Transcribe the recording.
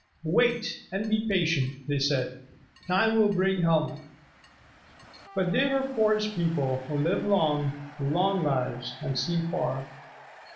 "Wait and be patient," they said. "Time will bring Helma." But they were Forest People, who live long, long lives, and see far.